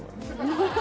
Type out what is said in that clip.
ハハハ